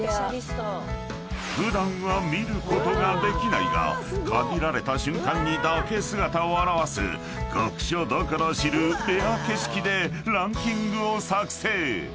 ［普段は見ることができないが限られた瞬間にだけ姿を現す学者だから知るレア景色でランキングを作成］